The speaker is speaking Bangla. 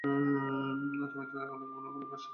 তুমি তো এখন থেকেই পুনমের ভাষা বলতে শুরু করেছ।